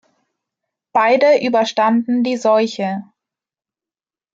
Beide überstanden die Seuche.